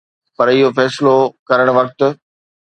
پر اهو فيصلو ڪرڻ وقت